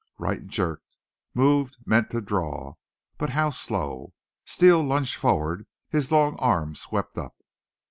Wright jerked, moved, meant to draw. But how slow! Steele lunged forward. His long arm swept up.